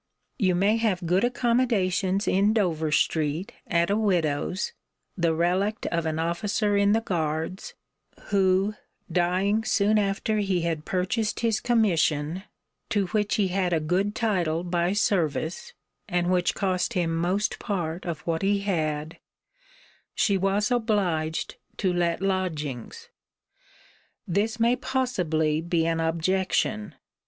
You may have good accommodations in Dover street, at a widow's, the relict of an officer in the guards, who dying soon after he had purchased his commission (to which he had a good title by service, and which cost him most part of what he had) she was obliged to let lodgings. This may possibly be an objection.